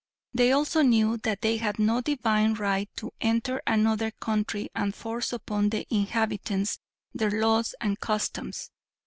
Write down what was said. They also knew that they had no divine right to enter another country and force upon the inhabitants their laws and customs.